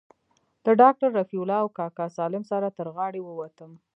له ډاکتر رفيع الله او کاکا سالم سره تر غاړې ووتم.